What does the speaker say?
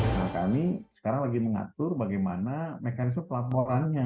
mereka ini sekarang lagi mengatur bagaimana mekanisme pelaporannya